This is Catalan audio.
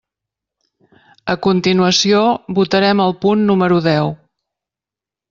A continuació votarem el punt número deu.